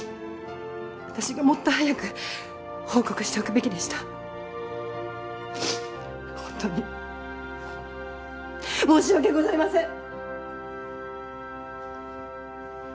私がもっと早く報告しておくべきでしたホントに申し訳ございません！